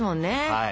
はい。